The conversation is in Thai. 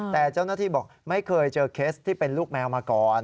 แต่เจ้าหน้าที่บอกไม่เคยเจอเคสที่เป็นลูกแมวมาก่อน